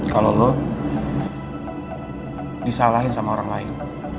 kalau lo disalahin sama orang lain